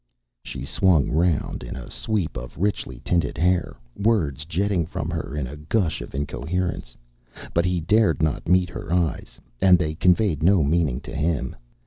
She swung round in a sweep of richly tinted hair, words jetting from her in a gush of incoherence. But he dared not meet her eyes, and they conveyed no meaning to him.